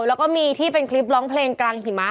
แล้วก็มีที่เป็นคลิปร้องเพลงกลางหิมะ